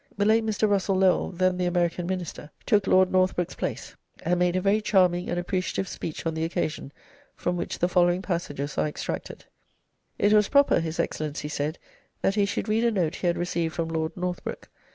The late Mr. Russell Lowell, then the American Minister, took Lord Northbrook's place, and made a very charming and appreciative speech on the occasion, from which the following passages are extracted: "It was proper," his Excellency said, "that he should read a note he had received from Lord Northbrook.